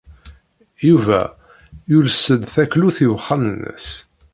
Yuba yules-d taklut i uxxam-nnes.